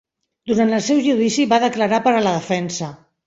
Durant el seu judici, va declarar per a la defensa.